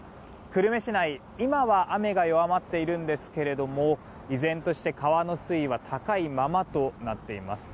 久留米市内、今は雨が弱まっているんですけども依然として川の水位は高いままとなっています。